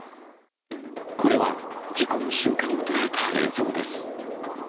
これは、事故の瞬間を捉えた映像です。